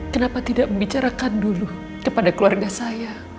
kenapa tidak membicarakan dulu kepada keluarga saya